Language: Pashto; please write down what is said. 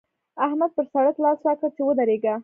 احمد پر سړک لاس راکړ چې ودرېږه!